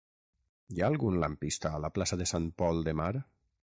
Hi ha algun lampista a la plaça de Sant Pol de Mar?